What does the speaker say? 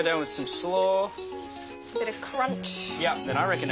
そう。